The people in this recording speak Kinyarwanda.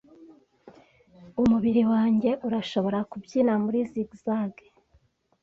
Umubiri wanjye urashobora kubyina muri zigzags